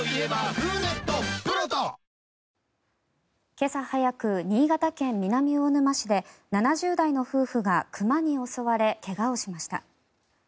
今朝早く新潟県南魚沼市で７０代の夫婦が熊に襲われ怪我をしました。